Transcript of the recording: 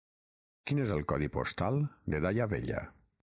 Quin és el codi postal de Daia Vella?